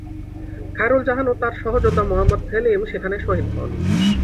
খায়রুল জাহান ও তাঁর সহযোদ্ধা মোহাম্মদ সেলিম সেখানে শহীদ হন।